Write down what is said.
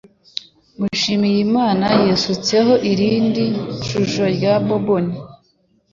Mushimiyimana yisutseho irindi shusho rya bourbon